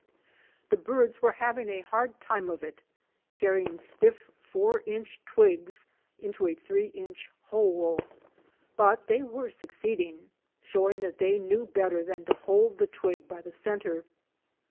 The birds were having a hard time of it, carrying stiff, four inch twigs into a three inch hole, but they were succeeding, showing that they knew better than to hold the twig by the centre.